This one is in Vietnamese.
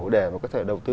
để mà có thể đầu tư